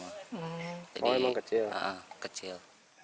oh emang kecil